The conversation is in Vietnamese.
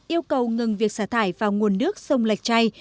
yêu cầu ngừng việc xả thải vào nguồn nước sông lạch chay